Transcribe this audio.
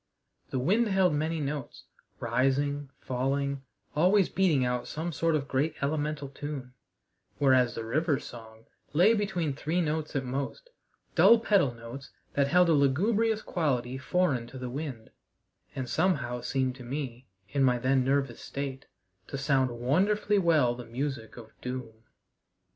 The wind held many notes, rising, falling, always beating out some sort of great elemental tune; whereas the river's song lay between three notes at most dull pedal notes, that held a lugubrious quality foreign to the wind, and somehow seemed to me, in my then nervous state, to sound wonderfully well the music of doom.